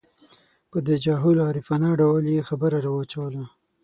په تجاهل عارفانه ډول یې خبره راواچوله.